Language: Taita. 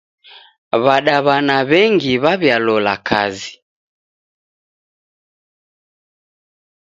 W'adaw'ana w'engi w'aw'ialola kazi.